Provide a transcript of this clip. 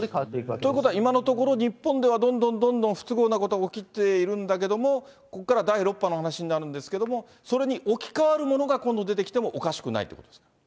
ということは、今のところ、日本ではどんどんどんどん不都合なことが起きているんだけども、ここから第６波の話になるんですけれども、それに置き換わるものが、今度出てきてもおかしくないということですか？